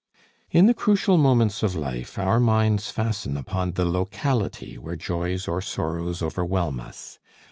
In the crucial moments of life our minds fasten upon the locality where joys or sorrows overwhelm us.